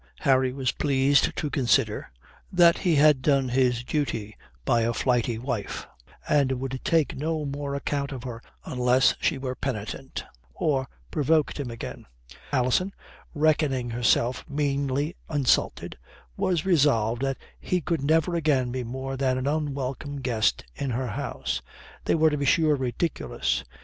Harry was pleased to consider that he had done his duty by a flighty wife, and would take no more account of her unless she were penitent or provoked him again. Alison, reckoning herself meanly insulted, was resolved that he could never again be more than an unwelcome guest in her house. They were, to be sure, ridiculous.